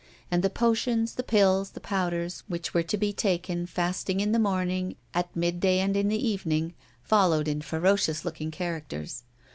And the potions, the pills, the powders, which were to be taken fasting in the morning, at midday, and in the evening, followed in ferocious looking characters.